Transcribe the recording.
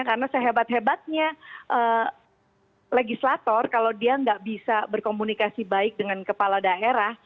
karena sehebat hebatnya legislator kalau dia nggak bisa berkomunikasi baik dengan kepala daerah